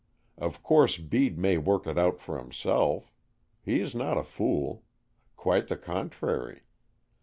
Of course Bede may work it out for himself. He is not a fool. Quite the contrary.